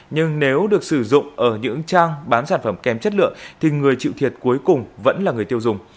nhưng nếu được sử dụng ở những trang bán sản phẩm kém chất lượng thì người chịu thiệt cuối cùng vẫn là người tiêu dùng